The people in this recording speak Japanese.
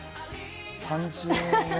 ３０年？